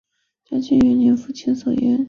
嘉庆元年赴千叟宴。